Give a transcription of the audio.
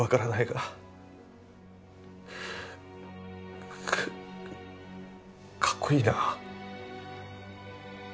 かかっこいいな。